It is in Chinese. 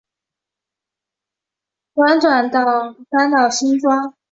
辗转搬到新庄